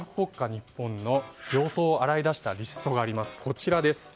日本の表層を洗い出したリストがあります、こちら。